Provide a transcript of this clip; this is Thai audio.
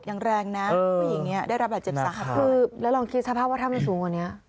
คุณรองรู้สัมภาพคุณคือคนที่นั่งอยู่ตรงนั้นสิ